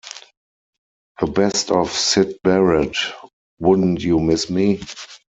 The Best of Syd Barrett: Wouldn't You Miss Me?